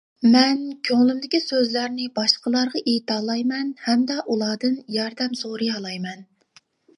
مەن كۆڭلۈمدىكى سۆزلەرنى باشقىلارغا ئېيتالايمەن ھەمدە ئۇلاردىن ياردەم سورىيالايمەن.